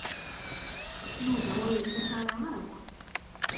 Yuba ur yeṭṭis ara akk.